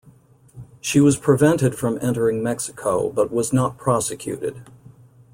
She was prevented from entering Mexico, but was not prosecuted.